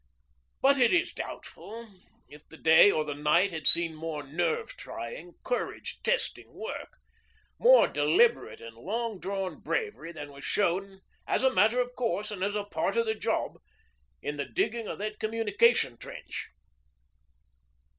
But it is doubtful if the day or the night had seen more nerve trying, courage testing work, more deliberate and long drawn bravery than was shown, as a matter of course and as a part of the job, in the digging of that communication trench.